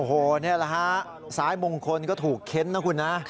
โอ้โหนี่แหละฮะซ้ายมงคลก็ถูกเค้นนะคุณนะ